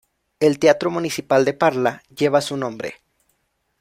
El Teatro municipal de Parla lleva su nombre.